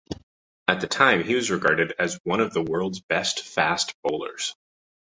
At the time, he was regarded as one of the world's best fast bowlers.